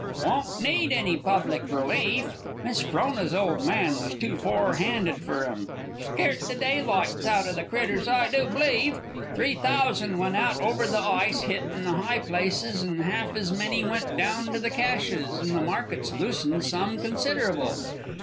"Won't need any public relief. Miss Frona's old man was too forehanded fer 'em. Scairt the daylights out of the critters, I do b'lieve. Three thousand went out over the ice hittin' the high places, an' half ez many again went down to the caches, and the market's loosened some considerable.